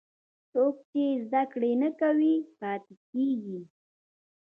څوک چې زده کړه نه کوي، پاتې کېږي.